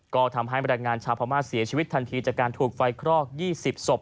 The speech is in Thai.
ก็ทำให้บรรยายงานชาวพม่าเสียชีวิตทันทีจากการถูกไฟคลอก๒๐ศพ